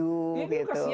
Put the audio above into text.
ya betul program komputer